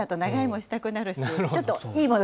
雨だと長居もしたくなるし、ちょっといいもの